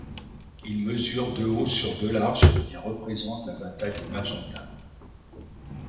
Il mesure de haut sur de large et représente la bataille de Magenta.